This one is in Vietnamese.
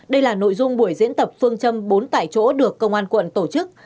đây là nội dung buổi diễn tập phương châm bốn tại chỗ được công an quận tổ chức